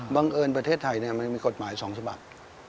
บังเอิญประเทศไทยมันมีกฎหมายสองสมัคร